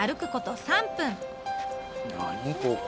何ここ？